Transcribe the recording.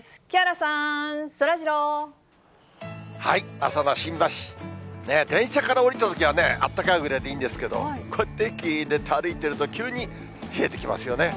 朝の新橋、電車から降りたときはね、あったかいぐらいでいいんですけど、こうやって駅出て歩いていると、急に冷えてきますよね。